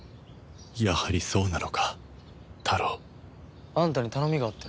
やはりそうなのかタロウあんたに頼みがあってな。